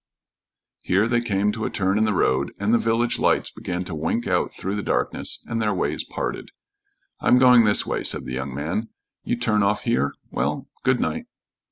Here they came to a turn in the road, and the village lights began to wink out through the darkness, and their ways parted. "I'm going this way," said the young man. "You turn off here? Well, good night."